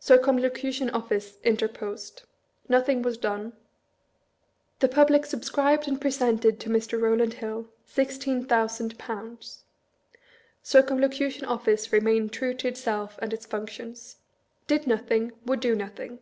Circumlocution Office interposed. Nothing was done. The public subscribed and presented 384 MISPRINT IN THE EDINBURGH REVIEW. to Mr. Kowland Hill, Sixteen Thousand Pounds. Circum locution Office remained true to itself and its functions. Did nothing ; would do nothing.